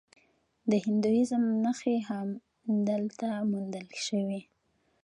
د هندویزم نښې هم دلته موندل شوي